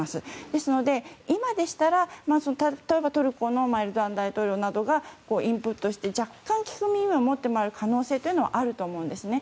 ですので今なら、例えばトルコのエルドアン大統領などがインプットして、若干聞く耳を持ってもらう可能性はあると思うんですね。